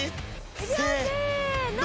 いくよせの！